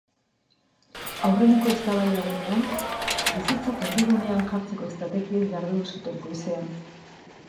Aurrenengo eztabaida egunean, bizitzak erdigunean jartzeko estrategiez jardun zuten goizean.